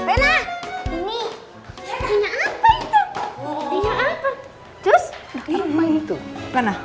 enggak itu ini